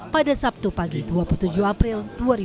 pada sabtu pagi dua puluh tujuh april dua ribu dua puluh